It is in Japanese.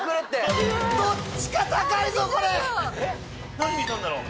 何見たんだろう？